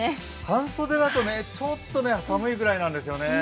半袖だとちょっと寒いぐらいなんですよね。